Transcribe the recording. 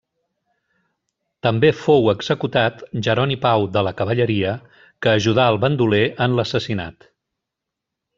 També fou executat Jeroni Pau de la Cavalleria, que ajudà el bandoler en l'assassinat.